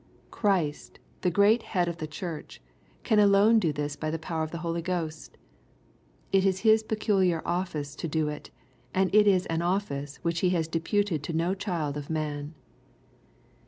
Christ, the great Head of the Church, can alone do this by the power of the Holy Ghost. It is His peculiar office to do it, and it is an office which He has deputed to no child of man.